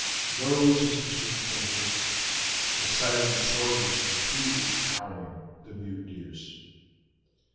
No resistance was attempted, the sight of the soldiers completely cowing the mutineers.